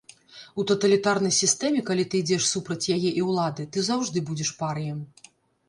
У таталітарнай сістэме, калі ты ідзеш супраць яе і ўлады, ты заўжды будзеш парыем.